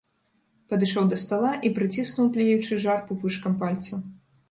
Падышоў да стала і прыціснуў тлеючы жар пупышкам пальца.